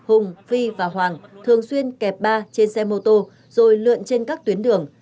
hùng phi và hoàng thường xuyên kẹp ba trên xe mô tô rồi lượn trên các tuyến đường